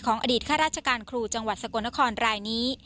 อดีตข้าราชการครูจังหวัดสกลนครรายนี้